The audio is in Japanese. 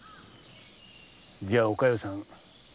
じゃあお加代さん